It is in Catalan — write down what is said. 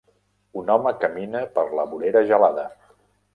un home camina per la vorera gelada.